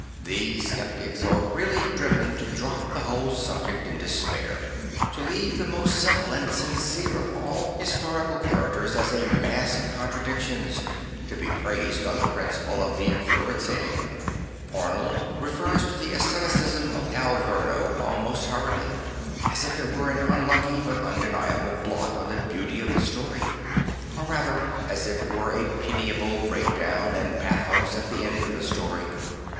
These sceptics are really driven to drop the whole subject in despair, to leave the most simple and sincere of all historical characters as a mass of contra dictions, to be praised on the principle of the curate's egg. Arnold refers to the asceticism of Alverno almost hurriedly, as if it were an unlucky but undeniable blot on the beauty of the story; or rather as if it were a pitiable break down and bathos at the end of the story.